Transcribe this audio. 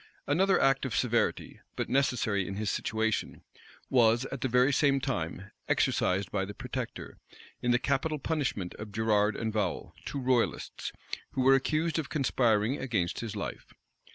Another act of severity, but necessary in his situation, was, at the very same time, exercised by the protector, in the capital punishment of Gerard and Vowel, two royalists, who were accused of conspiring against his life.